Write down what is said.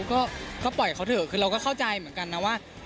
ก็ปล่อยเขาเถอะคือเราก็เข้าใจเหมือนกันนะว่า